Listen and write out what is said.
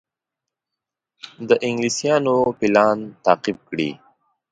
د انګلیسیانو پلان تعقیب کړي.